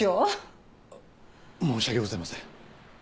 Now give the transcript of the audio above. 申し訳ございません。